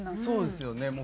そうですよね。